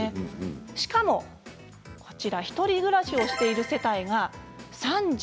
しかも１人暮らしをしている世帯が３８％。